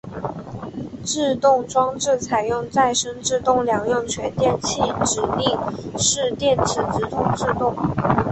制动装置采用再生制动两用全电气指令式电磁直通制动。